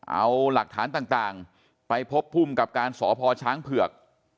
เอาหลักฐานต่างไปพบภูมิกับการสพช้างเผือก